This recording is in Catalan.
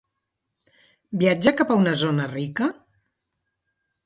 Viatja cap a una zona rica?